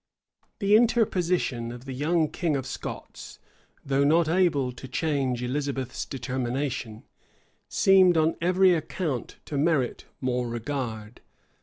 The interposition of the young king of Scots, though not able to change Elizabeth's determination, seemed on every account to merit more regard.